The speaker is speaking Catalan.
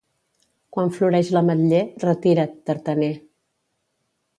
Quan floreix l'ametller, retira't, tartaner.